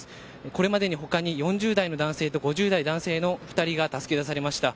これまでに４０代男性と５０代男性が２人が助け出されました。